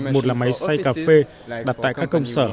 một là máy xay cà phê đặt tại các công sở